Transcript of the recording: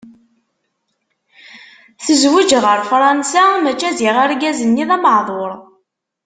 Tezweǧ ɣer Fransa, maca ziɣ argaz-nni d ameɛḍur.